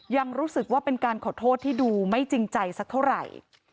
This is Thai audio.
ยังรู้สึกว่าเป็นการขอโทษที่ดูไม่จริงใจสักเท่าไหร่